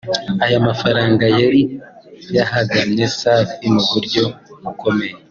Aya mafaranga yari yahagamye Safi mu buryo bukomeye